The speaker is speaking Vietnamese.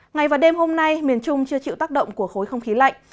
ngày và đêm hôm nay miền trung chưa chịu tác động của khối không khí lạnh